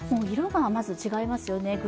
色がまず違いますよね。